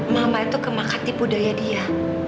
mama itu kemak hati budaya dia